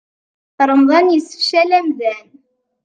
Remḍan yessefcal amdan.